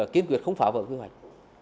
kiên quyết không phá vỡ quy hoạch